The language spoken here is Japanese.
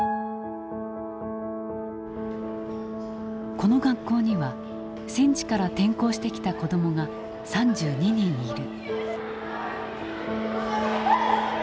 この学校には戦地から転校してきた子どもが３２人いる。